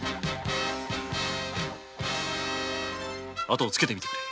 あとをつけてくれ。